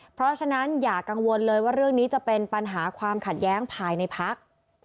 เพราะฉะนั้นอย่ากังวลเลยว่าเรื่องนี้จะเป็นปัญหาความขัดแย้งภายในพัก